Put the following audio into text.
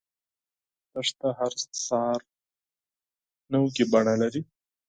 دښته هر سحر نوی بڼه لري.